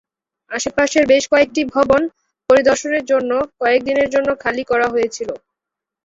আশেপাশের বেশ কয়েকটি ভবন পরিদর্শনের জন্য কয়েক দিনের জন্য খালি করা হয়েছিল।